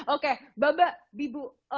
oke bapak ibu